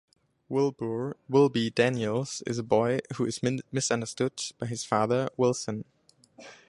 Wilbur "Wilby" Daniels is a boy who is misunderstood by his father, Wilson.